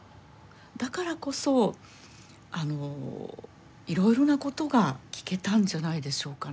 だからこそいろいろなことが聞けたんじゃないでしょうかね。